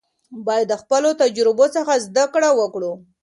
باید د خپلو تجربو څخه زده کړه وکړو.